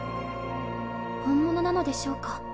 本物なのでしょうか？